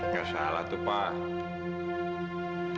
gak salah tuh pak